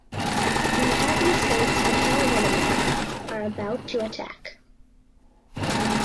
Manhattan states the Kavalry are about to attack.